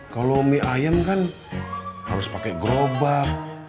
kalau mie ayam kan harus pakai gerobak